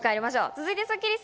続いてスッキりす。